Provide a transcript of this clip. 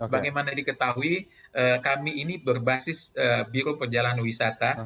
bagaimana diketahui kami ini berbasis biro perjalanan wisata